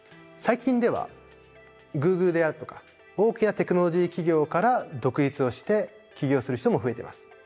最近ではグーグルであるとか大きなテクノロジー企業から独立をして起業する人も増えてます。